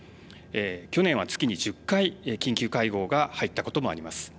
去年は月に１０回、緊急会合が入ったこともあります。